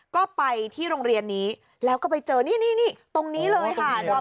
ก็ไปที่โรงเรียนนี้แล้วก็ไปเจอนี่ตรงนี้เลยค่ะ